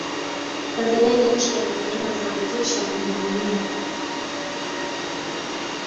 tanzania ni nchi yenye neema za kutosha kujivunia